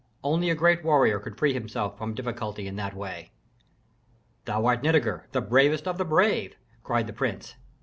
Only a great warrior could free himself from difficulty in that way." Heir. "Thou art Nitager, the bravest of the brave!" cried the prince.